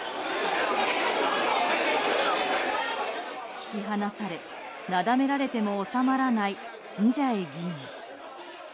引き離されなだめられても収まらないンジャエ議員。